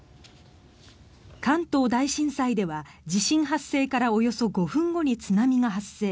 関東大震災では地震発生からおよそ５分後に津波が発生。